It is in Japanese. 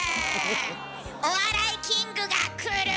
お笑いキングがくる。